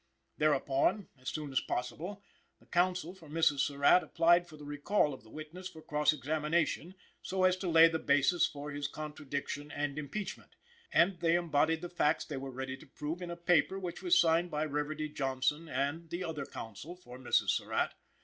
Thereupon, as soon as possible, the counsel for Mrs. Surratt applied for the recall of the witness for cross examination, so as to lay the basis for his contradiction and impeachment; and they embodied the facts they were ready to prove in a paper which was signed by Reverdy Johnson and the other counsel for Mrs. Surratt.